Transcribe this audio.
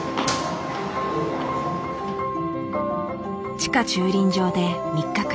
地下駐輪場で３日間。